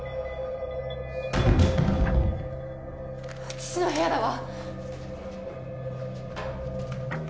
父の部屋だわ！